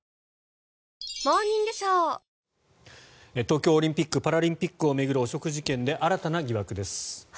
東京オリンピック・パラリンピックを巡る汚職事件で新たな疑惑です。